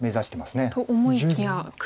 と思いきや黒